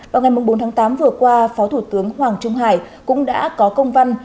vào ngày bốn tháng tám vừa qua phó thủ tướng hoàng trung hải cũng đã có công văn